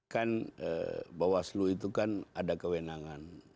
kan bawaslu itu kan ada kewenangan